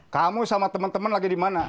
kamu sama teman teman lagi di mana